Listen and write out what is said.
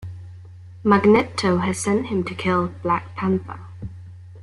Magneto had sent him to kill Black Panther.